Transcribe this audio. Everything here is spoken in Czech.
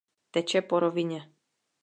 Teče po rovině.